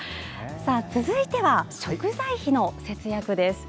さあ続いては食材費の節約です。